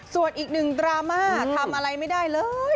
ส่วนอีกหนึ่งดราม่าทำอะไรไม่ได้เลย